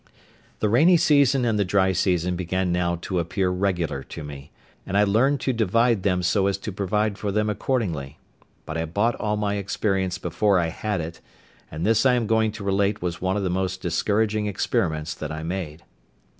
The rainy season and the dry season began now to appear regular to me, and I learned to divide them so as to provide for them accordingly; but I bought all my experience before I had it, and this I am going to relate was one of the most discouraging experiments that I made.